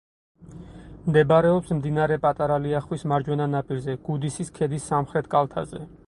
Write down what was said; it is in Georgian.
მდებარეობს მდინარე პატარა ლიახვის მარჯვენა ნაპირზე, გუდისის ქედის სამხრეთ კალთაზე.